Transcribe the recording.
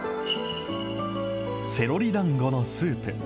セロリだんごのスープ。